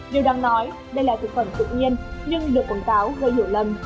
điều đáng nói đây là thực phẩm tự nhiên nhưng được quảng cáo gây hiểu lầm